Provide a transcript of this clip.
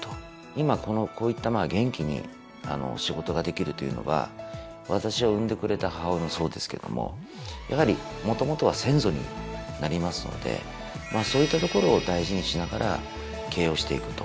今こういった元気に仕事ができるというのは私を産んでくれた母親もそうですけどもやはりもともとは先祖になりますのでそういったところを大事にしながら経営をしていくと。